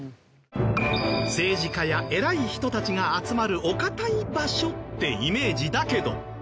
政治家や偉い人たちが集まるお堅い場所ってイメージだけど。